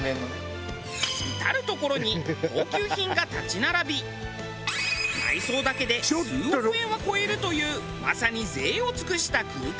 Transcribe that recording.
至る所に高級品が立ち並び内装だけで数億円は超えるというまさに贅を尽くした空間。